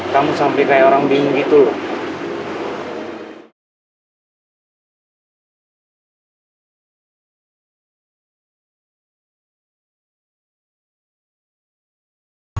kamu sampai kayak orang bingung gitu loh